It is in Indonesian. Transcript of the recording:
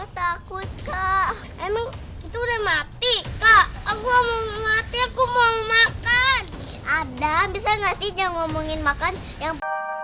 takut ke emang sudah mati aku mau makan ada ngomongin makan yang